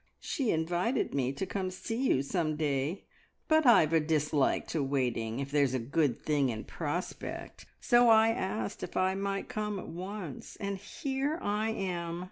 "She invited me to come to see you some day, but I've a dislike to waiting, if there's a good thing in prospect, so I asked if I might come at once, and here I am!